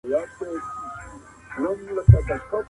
اشرف المخلوقات باید د خپلو کړنو مسؤل وي.